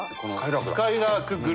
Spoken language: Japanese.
すかいらーくだ。